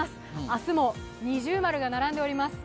明日も二重丸が並んでいます。